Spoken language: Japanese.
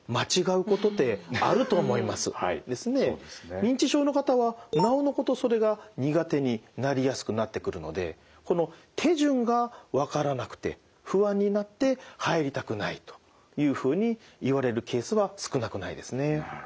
認知症の方はなおのことそれが苦手になりやすくなってくるのでこの手順がわからなくて不安になって入りたくないというふうに言われるケースは少なくないですね。